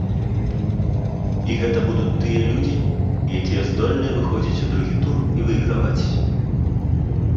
І гэта будуць тыя людзі, якія здольныя выходзіць у другі тур і выйграваць.